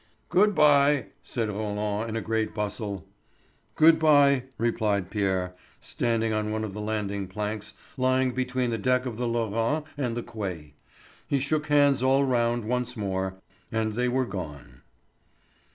"Good bye," said Roland in a great bustle. "Good bye," replied Pierre, standing on one of the landing planks lying between the deck of the Lorraine and the quay. He shook hands all round once more, and they were gone.